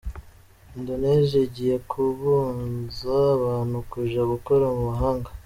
Indonesia igiye kubuza abantu kuja gukora mu mahanga.